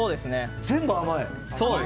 全部甘い！